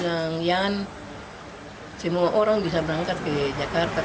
saya bilang yan semua orang bisa berangkat ke jakarta